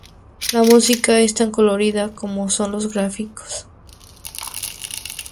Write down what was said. La música es tan colorida como lo son los gráficos.